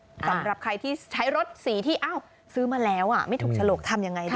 สำหรับใครที่ใช้รถสีที่ซื้อมาแล้วไม่ถูกฉลกทำยังไงดี